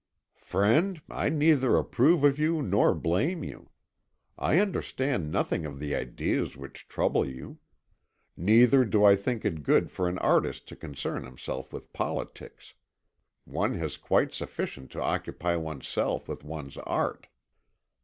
"Friend, I neither approve of you nor blame you. I understand nothing of the ideas which trouble you. Neither do I think it good for an artist to concern himself with politics. One has quite sufficient to occupy oneself with one's art."